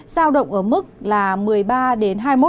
giao động ở mức là một mươi ba đến hai mươi một độ